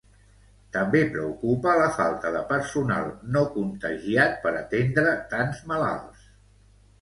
També preocupa la falta de personal no contagiat per atendre tants malalts.